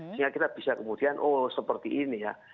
sehingga kita bisa kemudian oh seperti ini ya